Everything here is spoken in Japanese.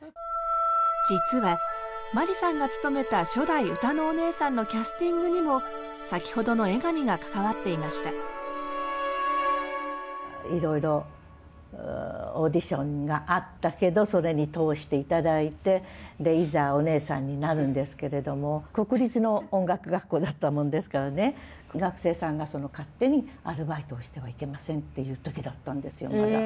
実は眞理さんが務めた初代歌のお姉さんのキャスティングにも先ほどの江上が関わっていましたいろいろオーディションがあったけどそれに通していただいていざお姉さんになるんですけれども国立の音楽学校だったもんですからね学生さんがその勝手にアルバイトをしてはいけませんっていう時だったんですよまだ。